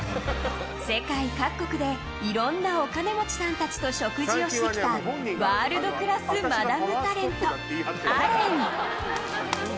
世界各国でいろんなお金持ちさんたちと食事をしてきたワールドクラスマダムタレントアレン。